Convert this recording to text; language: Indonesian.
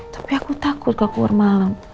tapi aku takut aku keluar malam